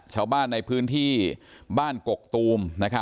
ชาวบ้านในพื้นที่บ้านกกตูม